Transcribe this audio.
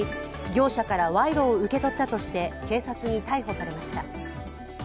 業者から賄賂を受け取ったとして警察に逮捕されました。